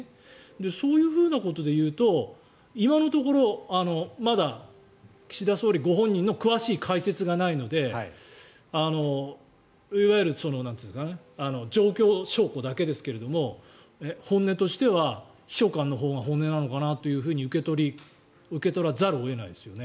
そういうことでいうと今のところまだ岸田総理ご本人の詳しい解説がないのでいわゆる状況証拠だけですけども本音としては秘書官のほうが本音なのかなと受け取らざるを得ないですよね。